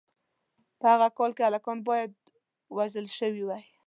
په هغه کال کې هلکان باید وژل شوي وای.